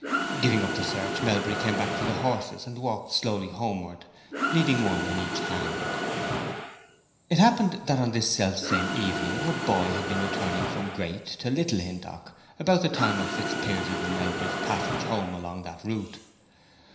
Giving up the search, Melbury came back to the horses, and walked slowly homeward, leading one in each hand. It happened that on this self same evening a boy had been returning from Great to Little Hintock about the time of Fitzpiers's and Melbury's passage home along that route.